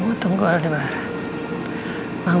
mau tunggu aldebaran